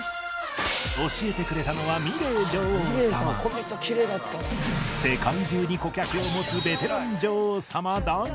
教えてくれたのは世界中に顧客を持つベテラン女王様だが